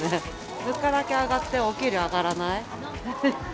物価だけ上がってお給料上がらない。